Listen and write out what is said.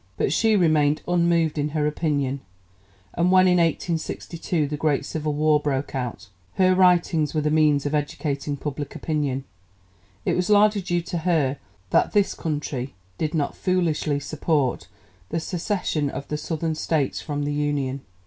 But she remained unmoved in her opinion, and when in 1862 the great Civil War broke out, her writings were the means of educating public opinion. It was largely due to her that this country did not foolishly support the secession of the Southern States from the Union.